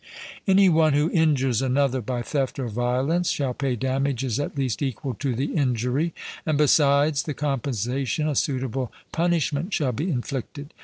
Any one who injures another by theft or violence shall pay damages at least equal to the injury; and besides the compensation, a suitable punishment shall be inflicted.